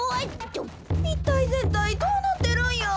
いったいぜんたいどうなってるんや？